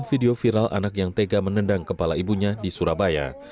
video viral anak yang tega menendang kepala ibunya di surabaya